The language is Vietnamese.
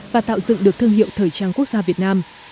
và tạo dựng được thương hiệu thời trang quốc gia việt nam